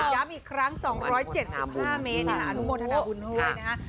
ย้ำอีกครั้ง๒๗๕เมตรนี่ค่ะอนุโมทนาบุญเฮ้ยนะฮะ